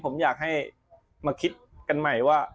ผมอยากให้มาคิดกันใหม่ว่า